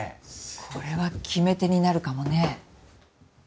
これは決め手になるかもね。